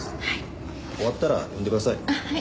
終わったら呼んでください。